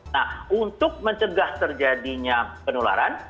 nah untuk mencegah terjadinya penularan